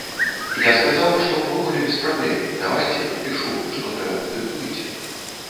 Я сказаў, што ўвогуле без праблем, давайце, падпішу, што трэба, дыктуйце.